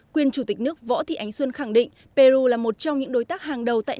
quyên chủ tịch nước võ thị ánh xuân khẳng định peru là một trong những đối tác hàng đầu tại